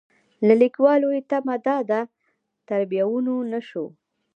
له لیکوالو یې تمه دا ده تریبیونونه شو.